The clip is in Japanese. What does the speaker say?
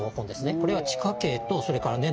これは地下茎とそれから根の標本。